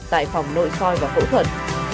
tại phòng nội soi và phẫu thuật